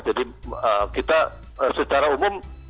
jadi kita secara umum